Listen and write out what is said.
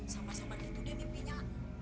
sama sama gitu deh mimpinya